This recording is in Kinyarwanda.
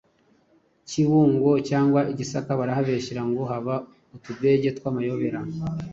Kibungo cyangwa i Gisaka barahabeshyera ngo haba utudege tw’amayobera